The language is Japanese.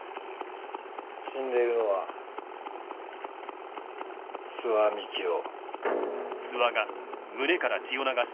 死んでいるのは諏訪樹生。